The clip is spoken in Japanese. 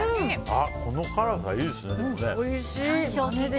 この辛さ、いいですね。